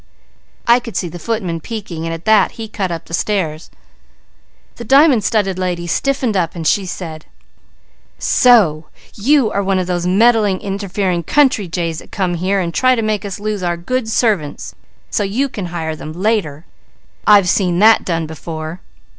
"I could see the footman peeking and at that he cut up the stairs. The dimun lady stiffened up and she said: 'So you are one of those meddling, interfering country jays that come here and try to make us lose our good servants, so you can hire them later. I've seen that done before.